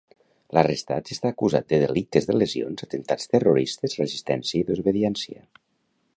L'arrestat està acusat de delictes de lesions, atemptats terroristes, resistència i desobediència.